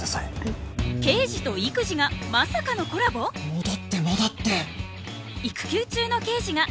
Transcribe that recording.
戻って戻って。